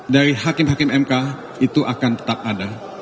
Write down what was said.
dari hakim hakim mk itu akan tetap ada